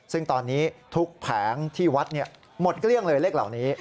ซึ่งตอนนี้ทุกแผงที่วัดหมดเกลี้ยงเลยเลขเหล่านี้